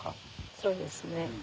そうですね。